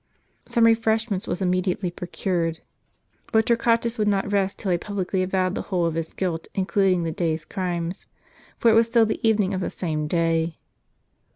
Some refreshment was immediately procured. But Tor quatus would not rest till he had publicly avowed the whole of his guilt, including the day's crimes ; for it was still the evening of the same day.